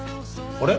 あれ？